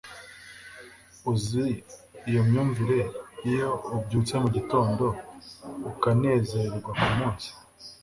uzi iyo myumvire iyo ubyutse mugitondo ukanezerwa kumunsi